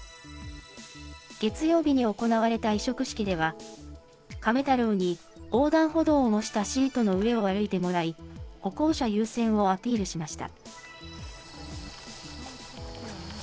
月曜日に行われた委嘱式では、カメ太郎に横断歩道を模したシートの上を歩いてもらい、歩行者優先をアピールしました。